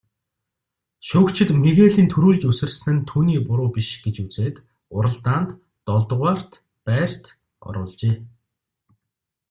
Шүүгчид Мигелийн түрүүлж үсэрсэн нь түүний буруу биш гэж үзээд уралдаанд долдугаарт байрт оруулжээ.